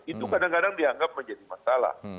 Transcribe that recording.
itu kadang kadang dianggap menjadi masalah